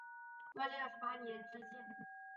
万历二十八年知县。